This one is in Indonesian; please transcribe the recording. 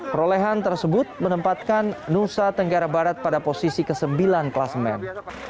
perolehan tersebut menempatkan nusa tenggara barat pada posisi ke sembilan klasemen